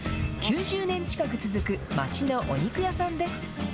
９０年近く続く町のお肉屋さんです。